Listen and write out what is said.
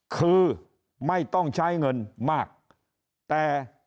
คือไม่ต้องใช้เงินมากแต่